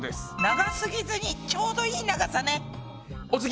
長すぎずにちょうどいい長さね。